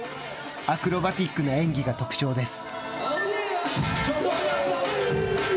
アクロバティックな演技が特徴です。